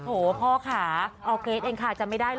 โอ้พ่อค่ะเอาเกรดเองค่ะจำไม่ได้หรอ